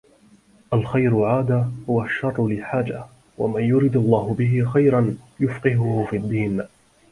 الْخَيْرُ عَادَةٌ وَالشَّرُّ لَجَاجَةٌ وَمَنْ يُرِدْ اللَّهُ بِهِ خَيْرًا يُفَقِّهْهُ فِي الدِّينِ